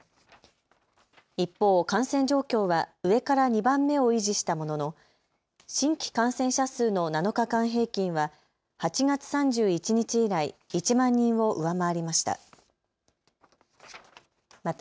一方、感染状況は上から２番目を維持したものの、新規感染者数の７日間平均は８月３１日以来、１万人を上回りました。